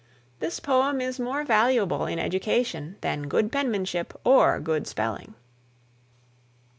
This poem is more valuable in education than good penmanship or good spelling.